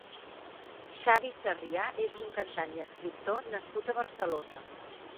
Xavi Sarrià és un cantant i escriptor nascut a Barcelona.